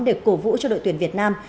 để cổ vũ cho đội tuyển việt nam